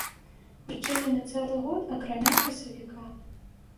Адчынены цэлы год, акрамя красавіка.